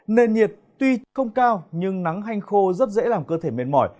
nền nhiệt tuy không cao nhưng nắng hanh khô rất dễ làm cơ thể mệt mỏi